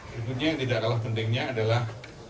tentunya yang tidak kalah pentingnya adalah